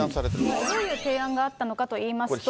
どういう提案があったのかといいますと。